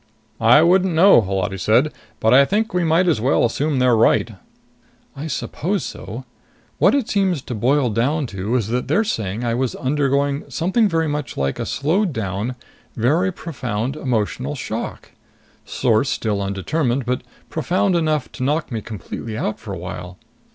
"I wouldn't know," Holati said. "But I think we might as well assume they're right." "I suppose so. What it seems to boil down to is they're saying I was undergoing something like a very much slowed down, very profound emotional shock source still undetermined, but profound enough to knock me completely out for a while.